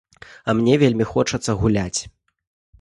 А мне вельмі хочацца гуляць.